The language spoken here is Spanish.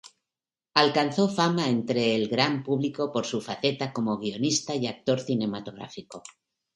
Alcanzó fama entre el gran público por su faceta como guionista y actor cinematográfico.